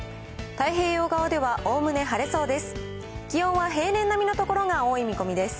太平洋側ではおおむね晴れそうです。